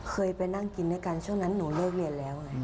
เคยไปนั่งกินด้วยกันช่วงนั้นหนูเลิกเรียนแล้วไง